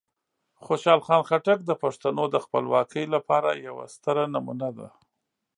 خوشحال خان خټک د پښتنو د خپلواکۍ لپاره یوه ستره نمونه ده.